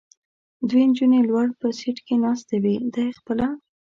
دوه نجونې لوړ په سېټ کې ناستې وې، دی خپله.